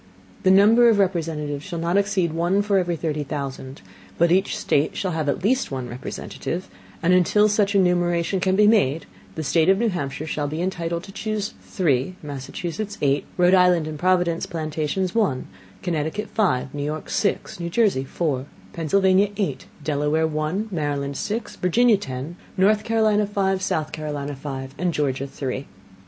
The number of Representatives shall not exceed one for every thirty Thousand, but each State shall have at least one Representative; and until such enumeration shall be made, the State of New Hampshire shall be entitled to chuse three, Massachusetts eight, Rhode Island and Providence Plantations one, Connecticut five, New York six, New Jersey four, Pennsylvania eight, Delaware one, Maryland six, Virginia ten, North Carolina five, South Carolina five, and Georgia three.